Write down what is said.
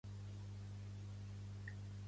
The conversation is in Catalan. Pertany al moviment independentista la Fermina?